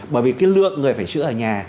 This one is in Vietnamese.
bởi vì cái lượng người phải chữa ở nhà